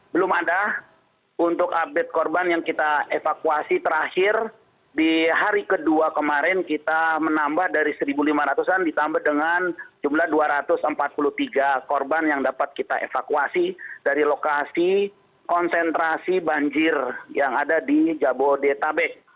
belum ada untuk update korban yang kita evakuasi terakhir di hari kedua kemarin kita menambah dari satu lima ratus an ditambah dengan jumlah dua ratus empat puluh tiga korban yang dapat kita evakuasi dari lokasi konsentrasi banjir yang ada di jabodetabek